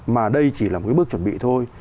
mà đây chỉ là một bước chuẩn bị thôi